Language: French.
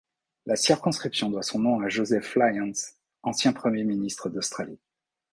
La circonscription doit son nom à Joseph Lyons, ancien Premier Ministre d'Australie.